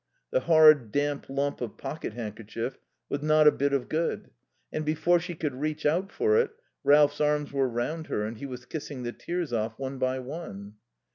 The hard, damp lump of pocket handkerchief was not a bit of good, and before she could reach out for it Ralph's arms were round her and he was kissing the tears off one by one.